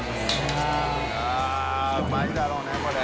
◆舛うまいだろうねこれ。